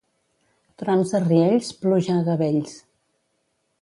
Trons a Riells, pluja a gavells.